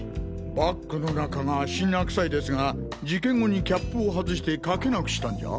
バッグの中がシンナー臭いですが事件後にキャップを外して書けなくしたんじゃ？